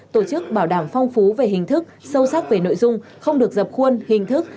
tổ chức bảo đảm phong phú về hình thức sâu sắc về nội dung không được dập khuôn hình thức